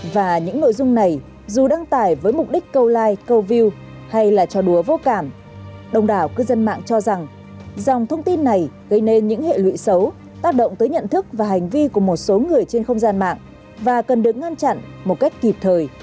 và những nội dung này dù đăng tải với mục đích câu like câu view hay là trò đùa vô cảm đông đảo cư dân mạng cho rằng dòng thông tin này gây nên những hệ lụy xấu tác động tới nhận thức và hành vi của một số người trên không gian mạng và cần được ngăn chặn một cách kịp thời